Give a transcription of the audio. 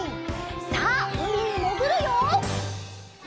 さあうみにもぐるよ！